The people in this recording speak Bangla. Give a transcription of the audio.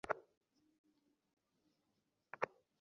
হেই, রাস্তা থেকে সরে যাও!